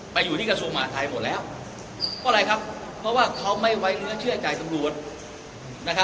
ไปอยู่ที่กระทรวงหมาไทยหมดแล้วเพราะว่าเขาไม่ไว้เนื้อเชื่อใจตำรวจ